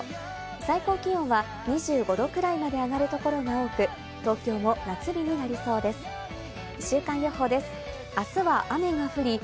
最高気温は２５度くらいまで上がる所が多く、東京も夏日になりそ叫びたくなる緑茶ってなんだ？